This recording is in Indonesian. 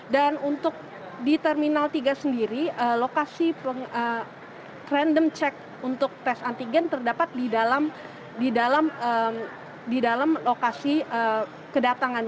dan untuk di terminal tiga sendiri lokasi random check untuk tes antigen terdapat di dalam lokasi kedatangan